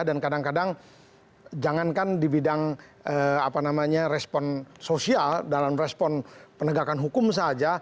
dan kadang kadang jangankan di bidang apa namanya respon sosial dalam respon penegakan hukum saja